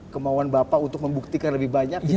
kemauan bapak untuk membuktikan lebih banyak gitu pak